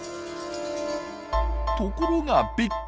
ところがびっくり。